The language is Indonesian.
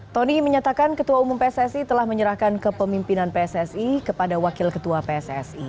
tony menyatakan ketua umum pssi telah menyerahkan kepemimpinan pssi kepada wakil ketua pssi